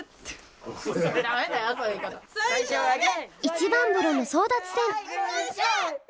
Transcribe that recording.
一番風呂の争奪戦！